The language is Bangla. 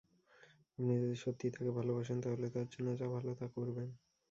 আপনি যদি সত্যিই তাকে ভালোবাসেন, তাহলে তার জন্য যা ভালো তা করবেন।